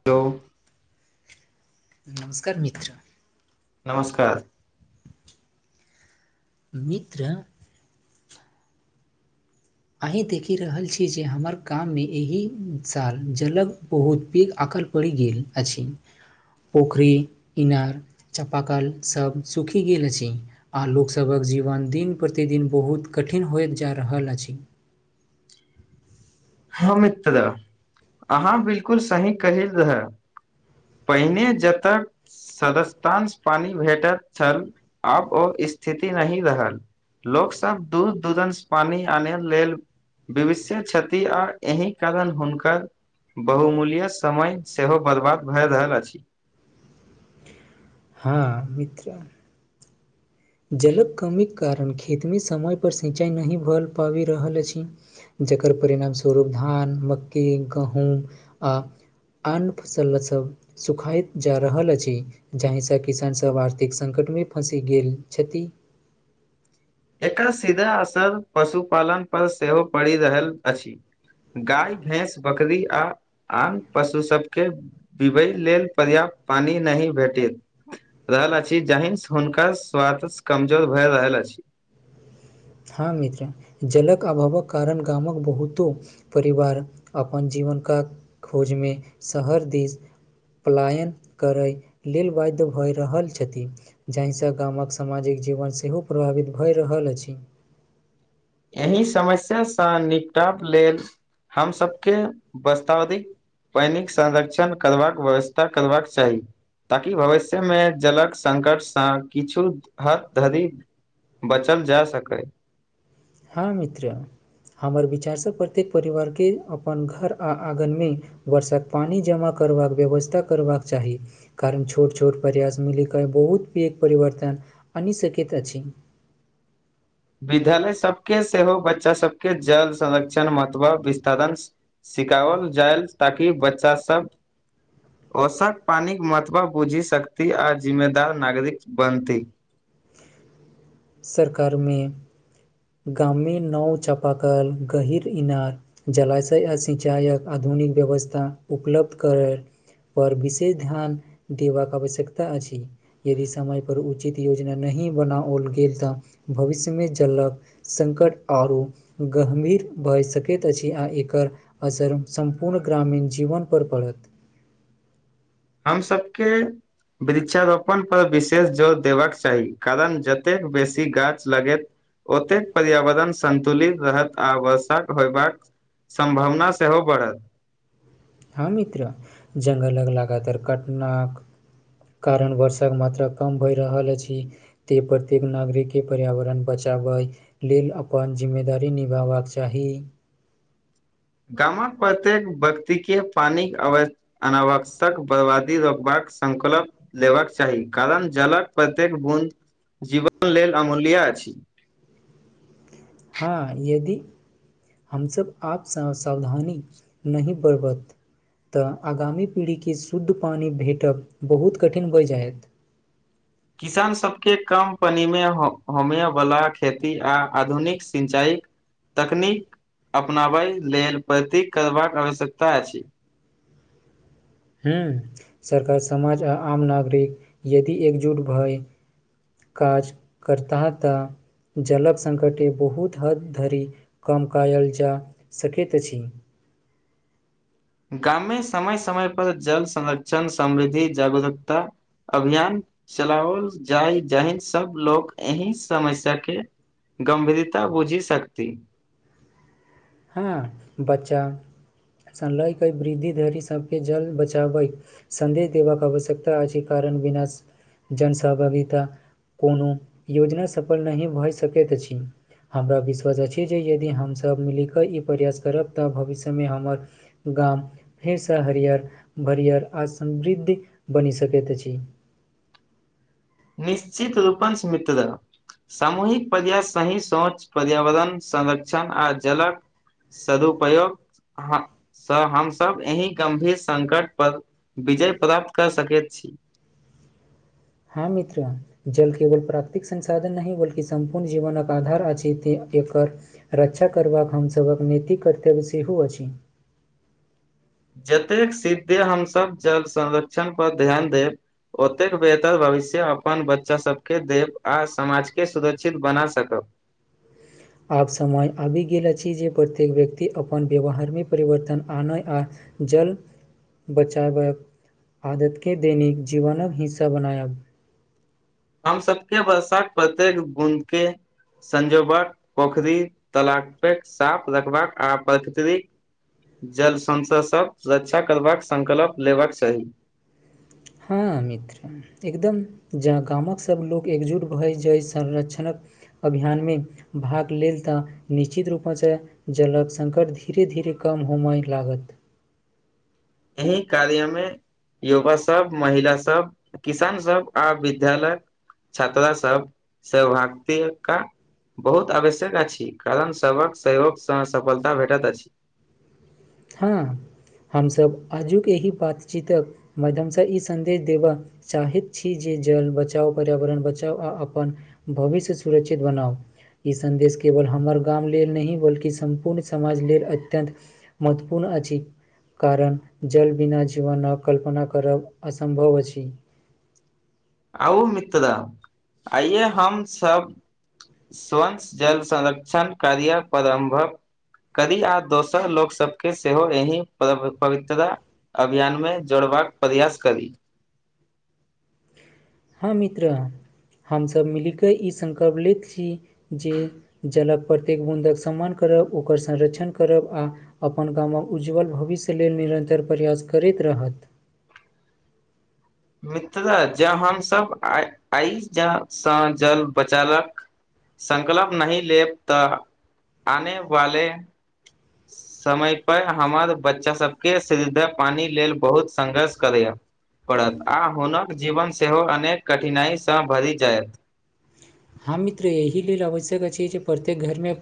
Hello. नमस्कार मित्र। नमस्कार। मित्र। अही देखि रहल छी जे हमर गाम में, एहि साल जलग बहुत पैघ अकल। परि गेल आछि, पुखरी इनार चापाकल सभ सूखी गेल अछि। आ लोकसभक जीवन दिन प्रतिदिन बहुत कठिन होइत जा रहल अछि। ह मित्र अहाँ बिल्कुल सही कहल रहे। पहिने जतय। सदस्यतांश पानी भेटल छल, आब ओ स्थिति नहि रहल। लोकसभ दूर- दुूरंस पानी आने लेल विविषे जैत। इ आर एहि कारण हुनकर बहुमूल्य समय सेहो बर्बाद भए रहल अछि। हँ मित्रा। जलक कमीके कारण खेतमे समयपर सिंचाइ नहि भऽ पाबि रहल अछि। जकर परिणाम स्वरूप धान मक्की गहूँम आ अन्य फसल सब सुखाइत जा रहल अछि। जाहिसँ किसानसभ आर्थिक सङ्कटमे फँसि गेल। क्षति एकर सीधा असर पशुपालन पर सेहो पड़ि रहल अछि। गाय भैंस बकरी आ आन पशु सबके पीबेय लेल पर्याप्त पानि नहि भेटैत रहल अछि जाहि हुनका स्वास्थ कमजोर भए रहल अछि। हँ मित्र जलक अभावक कारण गामक बहुतो परिवार अपन जीवनक का खोजमे शहर दिस पलायन करै लेल वैध भऽ रहल छथि। जाहिसँ गामक सामाजिक जीवन सेहो प्रभावित भए रहल अछि। एहि समस्या से निपटाब लेल हम सभके वस्तावधि पानिक संरक्षण करबाक व्यवस्था करबाक चाही। ताकि भविष्य में जलक संकटसँ किछु हद धरी बचल जाय सकै। हँ मित्र हमर विचारसँ प्रत्येक परिवारके अपन घर आ आँगनमे वर्षक पानि जमा करबाक व्यवस्था करबाक चाही। कारण छोट छोट परयास मिलिक बहुत पघ परवर्तन आनि सकैत अछि। विद्यालय सबके सेहो बच्चा सबके जल संरक्षण महत्व विस्तरण सिखावल जायल ताकि बच्चा सब वर्षाक पानिक महतबा बुझि सकथि आ जिम्मेदार नागरिक बनथि। सरकारमे गामी नओ चापा कल गहिर इनार जलाशय अ सिंचायक आधुनिक व्यवस्था उपलब्ध करे पर विशेष ध्यान देबाक आवश्यकता अछि। यदि समयपर उचित योजना नहि बनाओल गेल तऽ भविष्यमे जलक संकट आरो गम्भीर भए सकैत अछि आ एकर असर सम्पूर्ण ग्रामीण जीवनपर पड़त। हम सबके वृक्षारोपण पर विशेष जोर देबाक चाही कारण जतेक बेसी गाछ लगैत ओतेक पर्यावरण संन्तुलित रहत आ वर्षाक होयबाक सम्भावना सेहो बढ़त। हँ मित्र जंगलक लगातार कटनाक कारण वर्षाक मात्रा कम भऽ रहल अछि। त प्रत्येक नागरिकके पर्यावरण बचा लेल अपन जिम्मेदारी निभबाक चाही। गामक प्रत्येक व्यक्ति के पानी अव अनावश्यक बर्बादी रोकबाक संकलक लेबाक चाही कारण जलक प्रत्येक बूंद जीवन लेल अमूल्य अछि। हँ यदि हमसब आपसँ सावधानी नहि बरबत। तऽ आगामी पीढ़ीके शुद्ध पानि भेटब बहुत कठिन भऽ जायत। किसान सबके कम पानि मे हो [unintelligible] होमय वला खेती आ आधुनिक सिंचाई तकनीक अपनाबय लेल प्रती करबाक आवश्यकता अछि। हँ सरकार समाज आ आम नागरिक यदि एकजुट भए काज करता तऽ जलक सङ्कटे बहुत हद धरि कम कायल जा सकैत अछि। गाममे समय समय पर जल संरक्षण समृद्धि जागरूकता अभियान चलाओल जाय जहि सब लोग एहिह समस्या के गंभीरता बुझि सकती। हँ- बच्चा संलैके वृद्धि धरी सभके जल बचाबै संदेश देबाके आवश्यकता अछिी कारण बिना जन सहभागिता कोनो योजना सफल नहि भऽ सकैत अछि। हमरा विश्वास अछि जे यदि हमसभ मिलि कऽ ई प्रयास करब तऽ भविष्यमे हमर गाम फेरसँ हरियर बरियर आ समृद्ध बनि सकैत अछि। निश्चित रूपंसऽ मित्र। सामूहिक पर्यास सही सौच पर्यावरण संरक्षण आ जलक सदुपयोग ह हमसब एहि गंभीर संकट पर विजय प्राप्त कर सकैत छी। हा मित्र। जल केवल प्राकृतिक संसाधन नहि बल्कि सम्पूर्ण जीबनक आधार अछि एते एकर रक्षा करबाक हमसबक नैतिक कर्तव्य सेहो अछि। जतेक सिद्धे हमसब जल संरक्षण पर ध्यान देब ओतेक बेहतर भविष्य अपन बच्चासबकेँ देबऽ आ समाजके सुरक्षित बना सकब। आब समय आबि गेल अछि जे प्रत्येक व्यक्ति अपन बेबहारमे परिवर्तन आनै आ जल बचाबक आदत के दैनिक जीबनक हिस्सा बनायब। हम सबके वर्षाक प्रत्येक बूंद के संजोबक पोखरी तलाकके साफ रखबाक आ प्रकृतिरि जल संशय सब रक्षा करबाक संकल्प लेबाक चाही। हाँ मित्र। एकदम जहा गामक सब लोक एकजुट भैइ जाइ संरक्षणक अभियानमे भाग लेल तऽ निश्चित रूपासे जलक संकट धीरे धीरे कम होमाय लागत। एहि कार्यामे युवा सब, महिला सब, किसान सब, आ विद्यालय छात्रा सब सौभाग [inaudible] का बहुत आवश्यक अछि कारण सबहक सहयोगसँ सफलता भेटत अछि। हाँ, हमसब आजुक एहि बातचीतक मध्यमसँ इ सन्देश देबह चाहित छी जे जल बचाव पर्यावरण बचाव आ अपन भविष्य सुरक्षित बनाऊ। इ सन्देश केवल हमर गाँम लेल नहि बल्कि सम्पूर्ण समाज लेल अत्यन्त महतपूर्ण अछि। कारण जल बिना जीवन आ कल्पना करब असम्भब अछि। आउ मितरा आइये हम सब स्वंस जल संरक्षण कार्य परंभक करी आ दोसर लोक सबके सेहो एहि प्रभ- पवित्रता अभियान मे जोड़बाक प्रयास करी। हाँ मित्र हमसब मिलि के इ संकल्प लैत छी जे जलक प्रत्येक बूँदक सम्मान करब ओकर संरक्षण करब आ अपन गामक उज्जवल भविष्य लेल निरंन्तर प्रयास करैत रहत। मित्र जॅं हमसब आ आइ ज सँ जल बचइलक संकलप नहि लेब तऽ आने वाले समय पै हमर बच्चा सबके शिध पानि लेल बहुत संघर्ष करैय पड़त आ हुनक जीबन सेहो अनेक कठिनाइ सँ भरि जायत। हाँ मित्र एहि लेल आवश्यक अछि जे प्रत्येक घरमे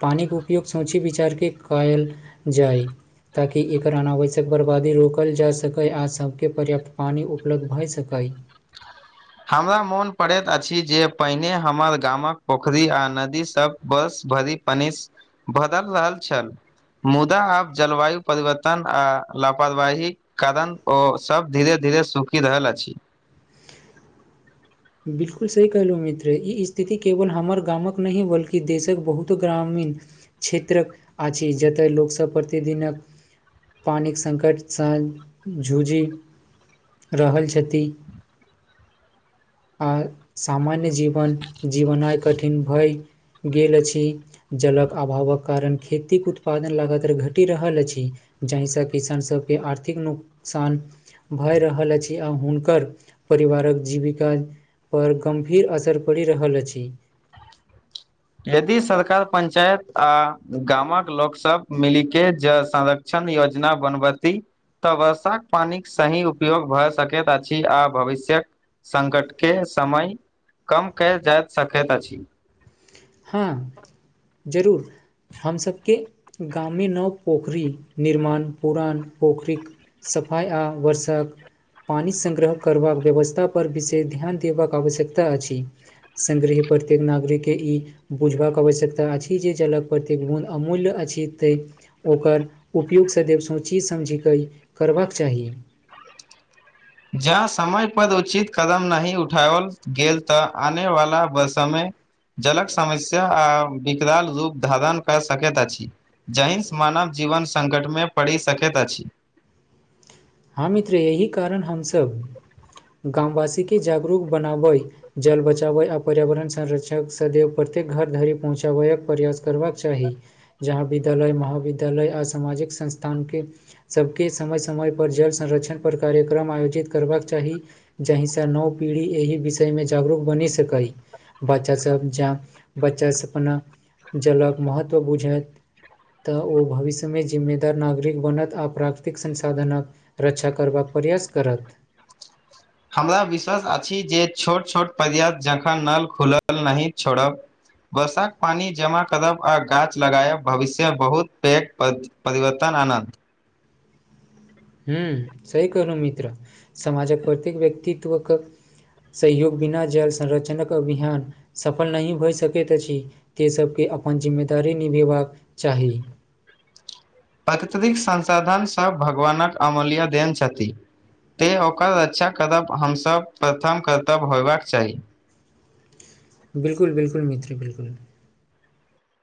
पानिक उप उपयोग सोची विचार के कयल जाय। ताकि एकर अनावश्यक बर्बादी रोकल जा सकइ आ सबके पर्याप्त पानि उपलब्ध भए सकइ। हमरा मोन पड़ैत अछि जे पहिने हमर गामक पोखरि आ नदी सब बर्स भरि पनिस भदल रहल छल। मुदा आब जलबायु परिवर्तन आ लापरवाही कारण ओ सब धीरे - धीरे सुखि रहल अछि। बिलकुल सही कहलहुँ मित्र इ स्थिति केवल हमर गामक नहि बल्कि देशक बहुतो ग्रामीण क्षेत्रक आछि जतय लोकसब प्रतिदिनक पानिक संकट सँ झूझि रहल छथि। आ सामान्य जीवन जीबनाइ कठिन भए गेल अछि। जलक अभावक कारण खेतीक उत्पादन लगातर घटि रहल अछि। जहिसँ किसान सबके आर्थिक नुकसान भए रहल अछि आ हुनकर परिवारक जीविका पर गम्भीर असर पड़ि रहल अछि। यदि सरकार पंचायत आ गामक लोक सब मिली के जल संर क्षण योजना बनबती। तऽ वर्षाक पानिक सही उपयोग भऽ सकैत अछि आ भविष्यक संकट के समय कम कयल जायत सकैत अछि। हाँ जरूर। हम सबके गाम मे नव पोखरी निर्माण पुरान पोखरिक सफाइ आ बर्षक पानी संग्रह करबाक व्यवस्था पर विशेष ध्यान देबक आवश्यकता अछि। संग्रही प्रत्येक नागरिक के ई बुझबाक आवश्यकता अछि जे जलक प्रत्येक बूंद अमूल्य अछि तैं ओकर उपयोग सदैव सोचि समझी करी करबाक चाही। जह समय पर उचित कदम नहि उठाओल गेल तऽ आने वाला ब समय जलक समस्या आ विकराल रूप धारण कऽ सकैत अछि। जहिंस मानव जीवन संकट मे पड़ि सकैत अछि। हँ मित्र यही कारण हमसब गाम वासी के जागरूक बनाबइ जल बचाबय आ पर्यावरण संरक्षक सदेव प्रत्येक घर धरि पहुँचाबयक प्रयास करबाक चाही। जहाँ विद्यालय महाविद्यालय आ समाजिक संस्थान के सबके समय- समय पर जल संरक्षण पर कार्यक्रम आयोजित करबाक चाही। जहि से नव पीढ़ी एहि विषयमे जागरूक बनि सकइ। बच्चासब जँ बच्चास अपना जलक महत्व बुझत। तऽ ओ भविष्यमें जिम्मेदार नागरिक बनत आ प्राकृतिक संसाधनके रक्षा करबाक प्रयास करत हमरा विश्वास अछि जे छोट छोट पर्याप्त जखन नल खुलल नहि छोड़ब वर्षाक पानी जमा करब आ गाछ लगायब भविष्य बहुत पेघ पद परिवर्तन आनत हूँ सही कहलुँ मित्र समाजक प्रत्येक व्यक्तित्वक सहयोग बिना जल संरक्षक अभियान सफल नहि होइ सकैत अछि। ते सबके अपन जिम्मेदारी निभेभाक चाही प्राकृतिक संसाधन सब भगवानक अमूल्य देन छथि। तैँ ओकर रक्षा करब हमसब प्रथम कर्तव्य होबाक चाही। बिल्कुल बिल्कुल मित्र बिल्कुल।